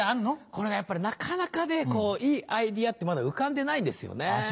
これがやっぱりなかなかねいいアイデアってまだ浮かんでないんですよね。